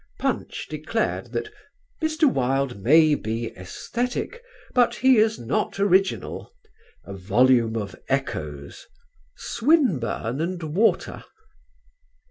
Punch declared that "Mr. Wilde may be æsthetic, but he is not original ... a volume of echoes ... Swinburne and water."